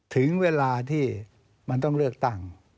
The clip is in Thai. ถึงเวลาที่มันต้องเลือกตั้ง